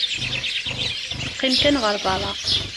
Ttseqqin kan ɣer berra.